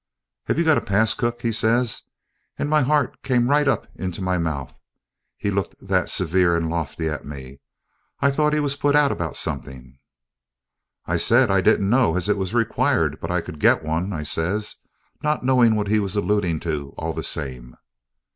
"'Have you got a pass, cook?' he says, and my 'art came right up into my mouth, he looked that severe and lofty at me. I thought he was put out about something." "I said I didn't know as it was required, but I could get one, I says, not knowing what he was alludin' to all the same."